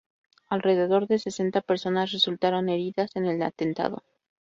Alrededor de sesenta personas resultaron heridas en el atentado.